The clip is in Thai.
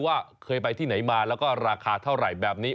ว่าเคยไปที่ไหนมาแล้วก็ราคาเท่าไหร่แบบนี้